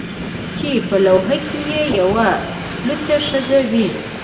چې په لوحه کې یې یوه لوڅه ښځه وي